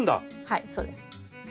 はいそうです。